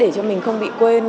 để cho mình không bị quên